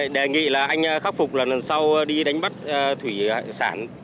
đề nghị là anh khắc phục lần sau đi đánh mắt thủy hải sản